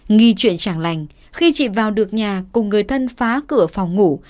nghi chuyện chẳng lành khi chị vào được nhà cùng người thân phá cửa phòng ngủ